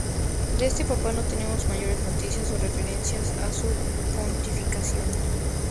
De este papa no tenemos mayores noticias o referencias a su pontificado.